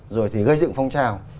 rồi thì gây dựng phong trào